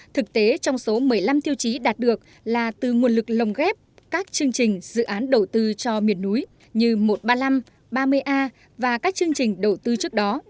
thực tế trong số một mươi năm tiêu chí đạt được là từ nguồn lực lồng ghép các chương trình dự án đầu tư cho miền núi như một trăm ba mươi năm ba mươi a và các chương trình đầu tư trước đó